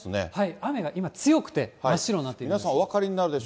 雨が今強くて、真っ白になっています。